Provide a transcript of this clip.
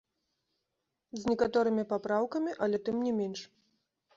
З некаторымі папраўкамі, але тым не менш.